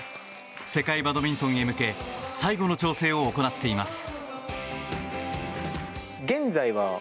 世界バドミントンへ向け最後の調整を行っています。